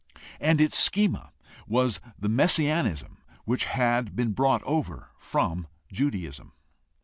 And its schema was the messianism which had been brought over from Judaism.